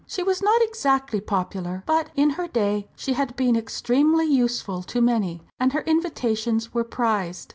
She was not exactly popular, but in her day she had been extremely useful to many, and her invitations were prized.